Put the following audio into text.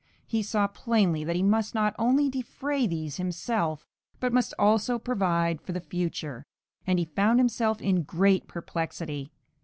He saw plainly that he must not only defray these himself, but must also provide for the future, and he found himself in great perplexity.